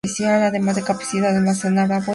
Además, la capacidad de almacenar ha vuelto.